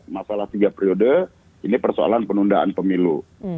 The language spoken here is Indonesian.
masalah tiga periode ini persoalan penundaan pemilu